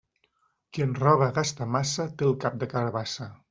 Qui en roba gasta massa té el cap de carabassa.